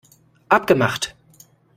Abgemacht!